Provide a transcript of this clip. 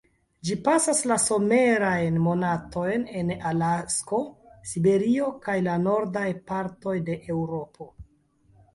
Ĝi pasas la somerajn monatojn en Alasko, Siberio, kaj la nordaj partoj de Eŭropo.